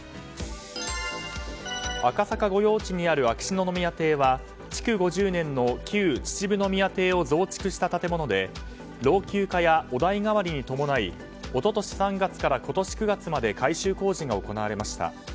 赤坂御用地にある秋篠宮邸は築５０年の旧秩父宮邸を増築した建物で老朽化やお代替わりに伴い一昨年３月から今年９月まで改修工事が行われました。